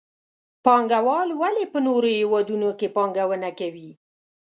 پانګوال ولې په نورو هېوادونو کې پانګونه کوي؟